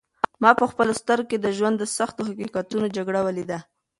ما په خپلو سترګو کې د ژوند د سختو حقیقتونو جګړه ولیده.